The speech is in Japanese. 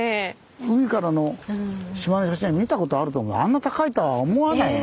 海からの島の写真は見たことあるあんな高いとは思わないね。